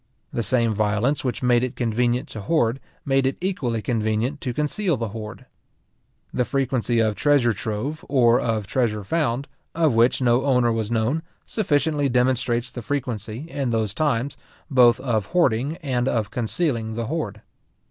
The same violence which made it convenient to hoard, made it equally convenient to conceal the hoard. The frequency of treasure trove, or of treasure found, of which no owner was known, sufficiently demonstrates the frequency, in those times, both of hoarding and of concealing the hoard.